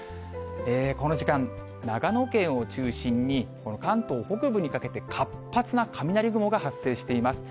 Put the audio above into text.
この時間、長野県を中心に、関東北部にかけて活発な雷雲が発生しています。